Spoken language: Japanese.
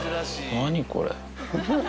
何これ。